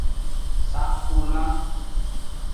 Saxulan.